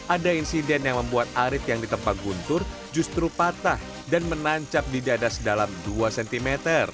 ada insiden yang membuat arit yang ditempat guntur justru patah dan menancap di dada sedalam dua cm